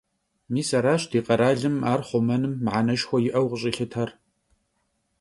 Mis araş di kheralım ar xhumenım mıheneşşxue yi'eu khış'ilhıter.